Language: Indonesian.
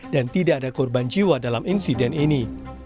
dan tidak ada korban jiwa dalam insiden ini